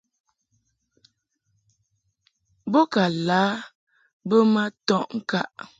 Bo ka lǎ bə ma tɔʼ ŋkaʼ.